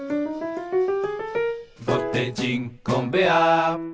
「ぼてじんコンベアー」